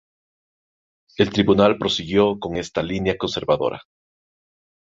El tribunal prosiguió con esta línea conservadora.